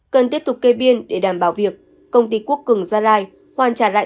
cần tiếp tục kê biên để đảm bảo việc công ty quốc cường gia lai hoàn trả lại